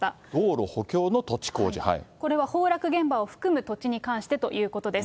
これは崩落現場を含む土地に関してということです。